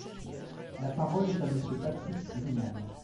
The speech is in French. La parole est à Monsieur Patrick Vignal.